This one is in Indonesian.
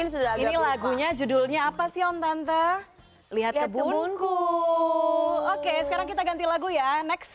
sudah ini lagunya judulnya apa sih om tante lihat kebunku oke sekarang kita ganti lagu ya next